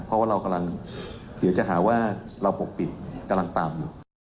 เพราะว่าเรากำลังเดี๋ยวจะหาว่าเราปกปิดกำลังตามอยู่